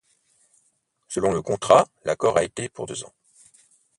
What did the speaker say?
Selon le contrat l'accord a été pour deux ans.